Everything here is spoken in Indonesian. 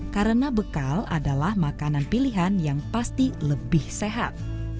karena bekal adalah makanan pilihan yang pasti lebih sehat